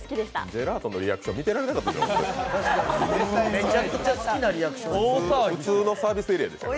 ジェラートのリアクション、見てられなかったですよ。